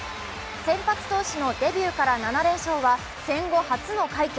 先発投手のデビューから７連勝は戦後初の快挙。